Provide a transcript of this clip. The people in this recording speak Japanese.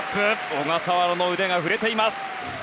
小笠原の腕が振れています。